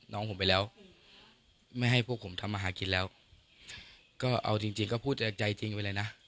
ก่อนหน้านี้ก็คือ